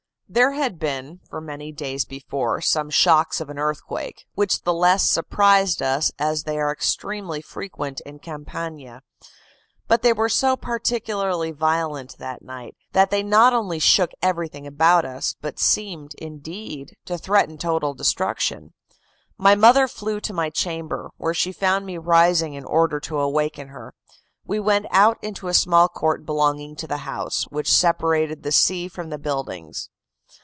There had been, for many days before, some shocks of an earthquake, which the less surprised us as they are extremely frequent in Campania; but they were so particularly violent that night, that they not only shook everything about us, but seemed, indeed, to threaten total destruction. My mother flew to my chamber, where she found me rising in order to awaken her. We went out into a small court belonging to the house, which separated the sea from the buildings.